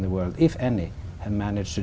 cho bác sĩ lãnh đạo trung quốc